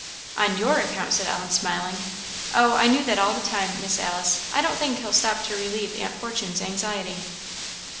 "On your account," said Ellen, smiling. "Oh, I knew that all the time, Miss Alice. I don't think he'll stop to relieve Aunt Fortune's anxiety."